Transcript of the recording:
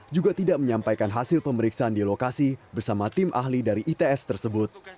juga tidak menyampaikan hasil pemeriksaan di lokasi bersama tim ahli dari its tersebut